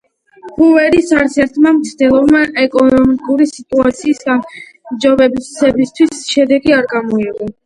ჰუვერის არცერთმა მცდელობამ ეკონომიკური სიტუაციის გაუმჯობესებისთვის შედეგი არ გამოიღო.